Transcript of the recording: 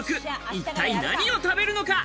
一体何を食べるのか？